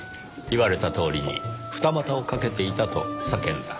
言われたとおりに二股をかけていたと叫んだ。